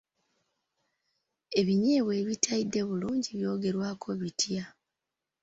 Ebinyeebwa ebitayidde bulungi byogerwako bitya?